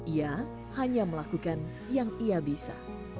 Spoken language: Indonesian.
ia hanya melakukan yang ia bisa